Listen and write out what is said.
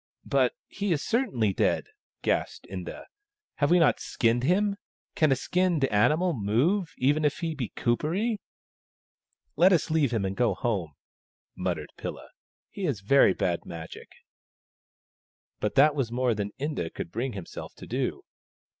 " But he is certainly dead," gasped Inda. " Have we not skinned him ? Can a skinned animal move — even if he be Kuperee ?" THE STONE AXE OF BURKAMUKK 37 " Let us leave him and go home," muttered Pilla. "He is very bad Magic." But that was more than Inda could bring himself to do.